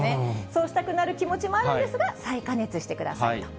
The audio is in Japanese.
そうしたくなる気持ちもあるんですが、再加熱してくださいと。